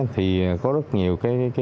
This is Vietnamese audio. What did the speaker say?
thì có rất nhiều